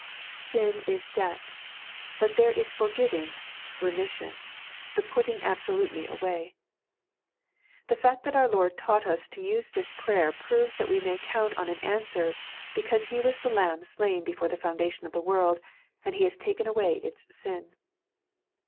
Sin is debt; but there is forgiving, remission, the putting absolutely away. The fact that our Lord taught us to use this prayer proves that we may count on an answer, because He was the Lamb slain before the fonudation of the world, and He has taken away its sin.